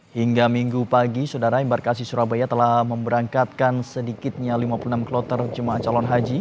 hingga minggu pagi saudara embarkasi surabaya telah memberangkatkan sedikitnya lima puluh enam kloter jemaah calon haji